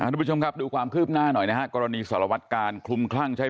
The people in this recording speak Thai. ทุกผู้ชมครับดูความคืบหน้าหน่อยนะฮะกรณีสารวัตการคลุมคลั่งใช้